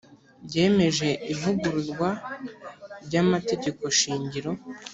yemeje ivugururwa ry amategekoshingiro